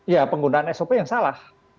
ya penggunaan sop yang salah